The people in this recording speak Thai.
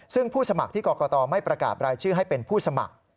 ซึ่งผู้สมัครที่กรกตไม่ประกาศรายชื่อให้เป็นผู้สมัคร